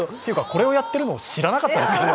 これをやってるのを知らなかったです。